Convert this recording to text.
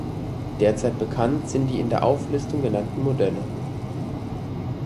Derzeit bekannt sind die in der Auflistung genannten Modelle.